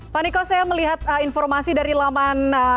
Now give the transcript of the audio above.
pak niko saya melihat informasi dari laman